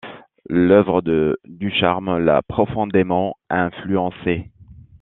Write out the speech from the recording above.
L’œuvre de Ducharme l’a profondément influencé.